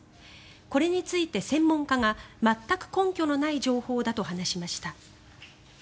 これについて、専門家が全く根拠のない情報だと話しました。